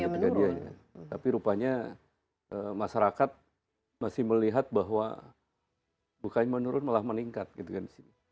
tapi rupanya masyarakat masih melihat bahwa bukannya menurun malah meningkat gitu kan